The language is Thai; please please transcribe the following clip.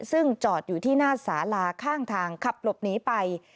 ซึ่งจอดอยู่ที่หน้าสาลาข้างทางขับหลบหนีไป